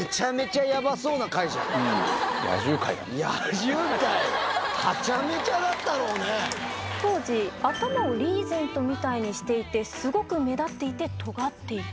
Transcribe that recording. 野獣会、当時、頭をリーゼントみたいにしていて、すごく目立っていてとがっていた。